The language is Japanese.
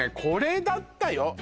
これだったよ